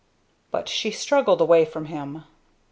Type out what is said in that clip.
But she struggled away from him.